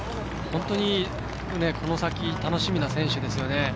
本当にこの先楽しみな選手ですよね。